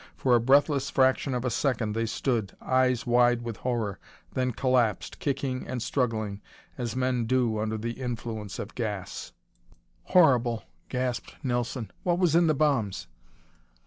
For a breathless fraction of a second they stood, eyes wide with horror, then collapsed, kicking and struggling as men do under the influence of gas. "Horrible!" gasped Nelson. "What was in the bombs?"